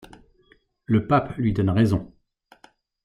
Le pape lui donne raison.